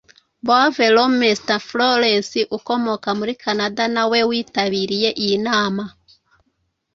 Boivin Roumestan Florence ukomoka muri Canada na we witabiriye iyi nama